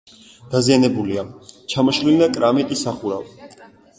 დაზიანებულია: ჩამოშლილია კრამიტის სახურავი.